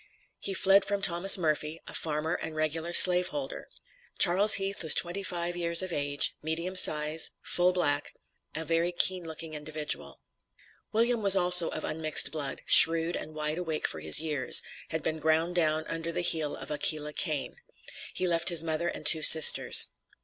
He fled from Thomas Murphy, a farmer, and regular slave holder. Charles Heath was twenty five years of age, medium size, full black, a very keen looking individual. William was also of unmixed blood, shrewd and wide awake for his years, had been ground down under the heel of Aquila Cain. He left his mother and two sisters.